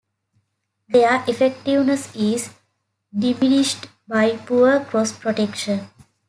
Their effectiveness is diminished by poor cross-protection.